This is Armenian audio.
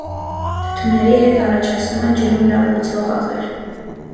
Թթուների հետ առաջացնում է ջրում լավ լուծվող աղեր։